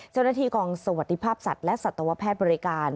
เจ้าหน้าที่กองสวัสดิภาพสัตว์และสัตวแพทย์บริการ